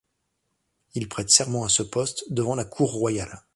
Il prête serment à ce poste devant la Cour royale.